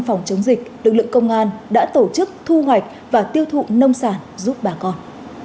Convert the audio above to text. phòng chống dịch lực lượng công an đã tổ chức thu hoạch và tiêu thụ nông sản giúp bà con